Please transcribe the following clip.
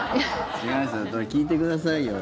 聞いてくださいよ。